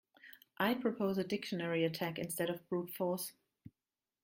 I'd propose a dictionary attack instead of brute force.